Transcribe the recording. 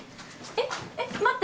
えっえっ待って！